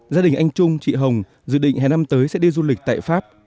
gia đình anh trung chị hồng dự định hè năm tới sẽ đi du lịch tại pháp